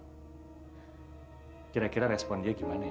hai kira kira responnya gimana ya